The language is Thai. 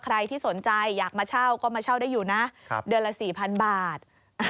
ใครที่สนใจอยากมาเช่าก็มาเช่าได้อยู่นะเดือนละ๔๐๐๐บาท